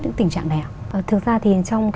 những tình trạng này ạ thực ra thì trong